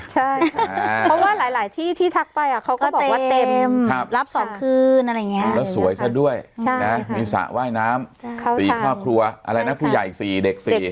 ใช่เพราะว่าหลายหลายที่ที่ทักไปอ่ะเขาก็บอกว่าเต็มครับรับสอบคืนอะไรอย่างเงี้ยแล้วสวยซะด้วยใช่มีสระว่ายน้ำสี่ครอบครัวอะไรนะผู้ใหญ่สี่เด็กสี่